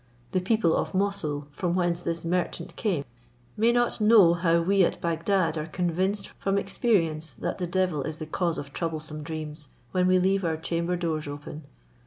The people of Moussul, from whence this merchant came, may not know how we at Bagdad are convinced from experience that the devil is the cause of troublesome dreams when we leave our chamber doors open.